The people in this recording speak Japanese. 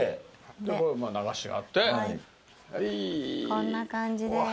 こんな感じです。